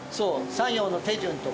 作業の手順とか。